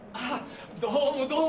どうもどうも。